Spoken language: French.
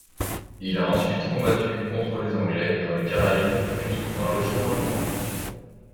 Il a ensuite combattu contre les Anglais dans les Caraïbes, puis dans l'océan Indien.